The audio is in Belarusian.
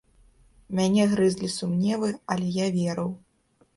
Мяне грызлі сумневы, але я верыў.